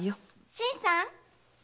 ・新さん！